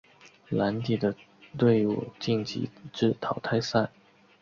蓝底的队伍晋级至淘汰赛。